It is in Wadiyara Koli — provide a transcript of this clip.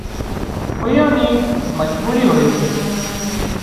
اويئان نِي مجبُوري هوئي سي